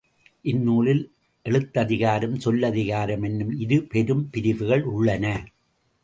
இந்நூலில் எழுத்ததிகாரம், சொல்லதிகாரம் என்னும் இரு பெரும் பிரிவுகள் உள்ளன.